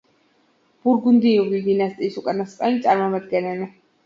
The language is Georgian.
ბურგუნდიული დინასტიის უკანასკნელი წარმომადგენელი.